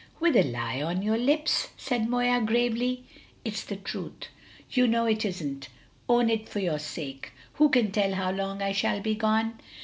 "With a lie on your lips?" said Moya, gravely. "It's the truth!" "You know it isn't. Own it, for your own sake! Who can tell how long I shall be gone?"